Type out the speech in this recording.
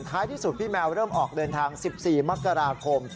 ที่สุดพี่แมวเริ่มออกเดินทาง๑๔มกราคม